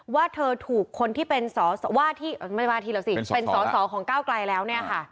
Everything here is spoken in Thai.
ว่าเธอถูกคนที่เป็นสสว่าที่ไม่ใช่ว่าที่เหล่าสิเป็นสสของก้าวกายแล้วเนี่ยค่ะ